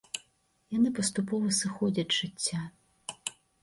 Яны паступова сыходзяць з жыцця.